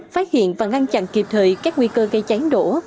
phát hiện và ngăn chặn kịp thời các nguy cơ gây cháy đổ